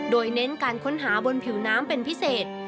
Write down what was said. โดยเน้นการค้นหาบนผิวน้ำเป็นพิเศษ